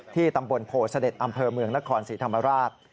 ที่ตำบลโภษเด็จอำเภอเมืองนครสีธรรมราช